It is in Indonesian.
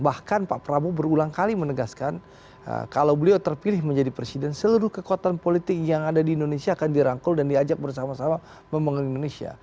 bahkan pak prabowo berulang kali menegaskan kalau beliau terpilih menjadi presiden seluruh kekuatan politik yang ada di indonesia akan dirangkul dan diajak bersama sama membangun indonesia